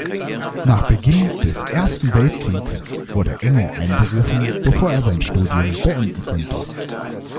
Nach Beginn des Ersten Weltkriegs wurde Engel einberufen, bevor er sein Studium beenden konnte.